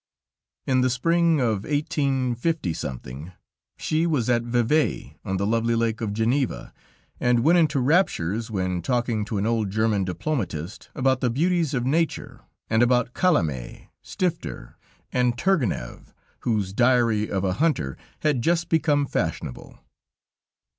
In the spring of 185 she was at Vevey, on the lovely lake of Geneva, and went into raptures when talking to an old German diplomatist about the beauties of nature, and about Calame, Stifter and Turgenev, whose "Diary of a Hunter" had just become fashionable.